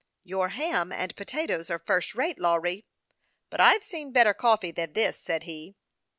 " Your ham and potatoes are first rate, Lawry ; but I've seen better coffee than this," said he.